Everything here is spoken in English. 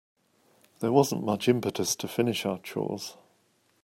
There wasn't much impetus to finish our chores.